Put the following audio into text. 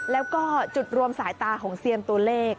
แล้วก็จุดรวมสายตาของเซียนตัวเลข